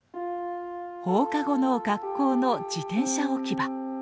放課後の学校の自転車置き場。